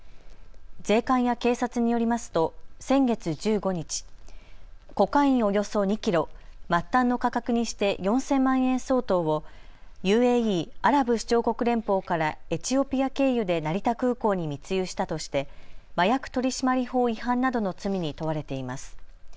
税関や警察によりますと先月１５日、コカインおよそ２キロ、末端の価格にして４０００万円相当をＵＡＥ・アラブ首長国連邦からエチオピア経由で成田空港に密輸したとして麻薬取締法違反などの罪に問われています。